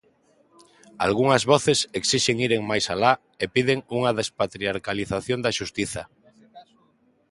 Algunhas voces esixen iren máis alá e piden unha despatriarcalización da xustiza.